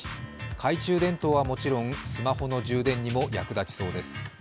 懐中電灯はもちろん、スマホの充電にも役立ちそうです。